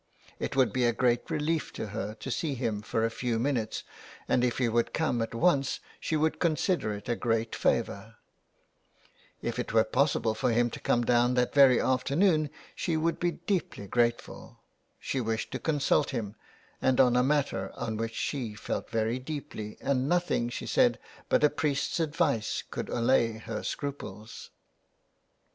It would be a great relief to her to see him for a few minutes, and if he would come at once she would consider it a great favour. If it were 33^ THE WILD GOOSE. possible for him to come down that very afternoon she would be deeply grateful. She wished to consult him, and on a matter on which she felt very deeply, and nothing, she said, but a priest's advice could allay her scruples.